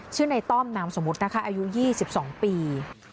ชื่อในต้อมนามสมมุตินะคะอายุ๒๒ปี